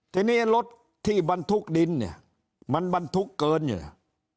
ทีนี้รถที่บรรทุกดินเนี่ยมันบรรทุกเกินเนี่ย